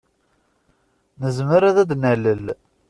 Nezmer ad d-nalel.